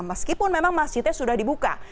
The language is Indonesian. masjidnya sudah dibuka